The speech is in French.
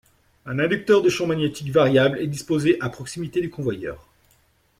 Un inducteur de champ magnétique variable est disposé à proximité du convoyeur.